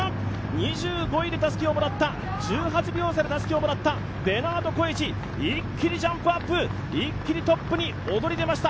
２５位でたすきをもらった、１８秒差でたすきをもらったベナード・コエチ一気にジャンプアップ、一気にトップに躍り出ました。